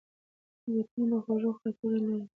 بوټونه د خوږو خاطرې لري.